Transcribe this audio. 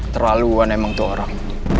terlalu wan emang itu orang